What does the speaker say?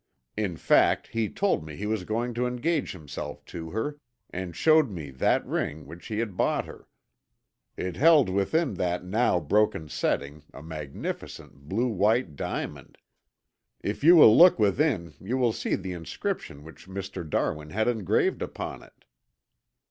In fact, he told me he was going to engage himself to her, and showed me that ring which he had bought her. It held within that now broken setting a magnificent blue white diamond. If you will look within you will see the inscription which Mr. Darwin had engraved upon it."